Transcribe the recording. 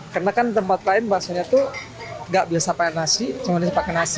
karena kan tempat lain bakso nya tuh nggak biasa pakai nasi cuma dia pakai nasi